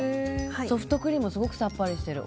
ソフトクリームすごくさっぱりしてる。